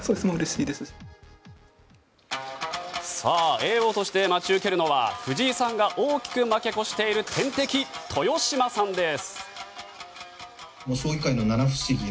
叡王として待ち受けるのは藤井さんが大きく負け越している天敵・豊島さんです。